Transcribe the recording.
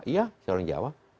ya orang jawa